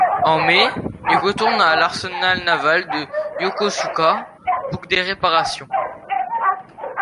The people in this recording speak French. En mai, il retourne à l'arsenal naval de Yokosuka pour des réparations.